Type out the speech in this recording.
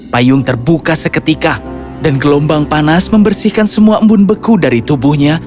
payung terbuka seketika dan gelombang panas membersihkan semua embun beku dari tubuhnya